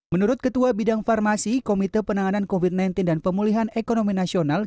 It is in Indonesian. menurut ketua bidang farmasi komite penanganan covid sembilan belas dan pemulihan ekonomi nasional